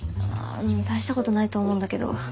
大したことないと思うんだけど。